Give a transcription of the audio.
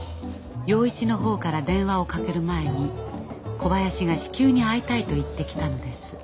洋一の方から電話をかける前に小林が至急に会いたいと言ってきたのです。